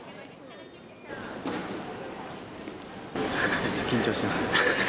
先月、緊張してます。